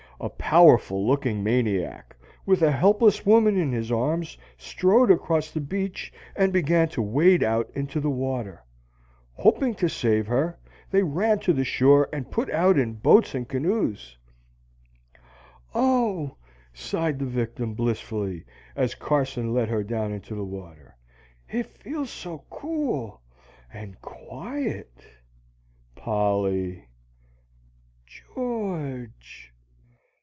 A powerful looking maniac, with a helpless woman in his arms, strode across the beach and began to wade out into the water. Hoping to save her, they ran to the shore and put out in boats and canoes. "Oh," sighed the victim, blissfully, as Carson let her down into the water, "it feels so cool and quiet!" "Polly!" "George!"